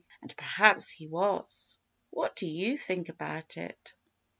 And perhaps he was. What do you think about it?